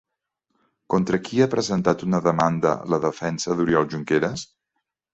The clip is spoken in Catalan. Contra qui ha presentat una demanda la defensa d'Oriol Junqueras?